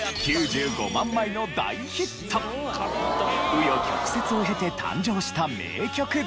紆余曲折を経て誕生した名曲だったんです。